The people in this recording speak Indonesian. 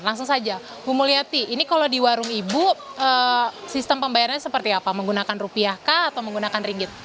langsung saja bu mulyati ini kalau di warung ibu sistem pembayarannya seperti apa menggunakan rupiah kah atau menggunakan ringgit